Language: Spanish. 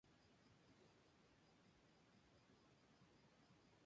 Existen diferentes versiones en torno a las razones que llevaron a su dimisión.